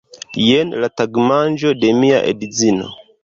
Jen la tagmanĝo de mia edzino